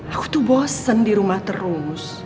aku tuh bosen di rumah terus